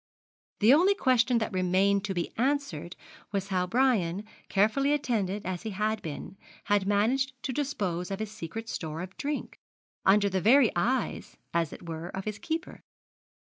The only question that remained to be answered was how Brian, carefully attended as he had been, had managed to dispose of his secret store of drink, under the very eyes, as it were, of his keeper.